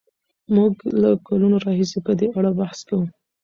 موږ له کلونو راهیسې په دې اړه بحث کوو.